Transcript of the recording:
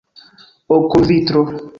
okulvitro